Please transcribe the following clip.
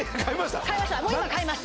もう今買います！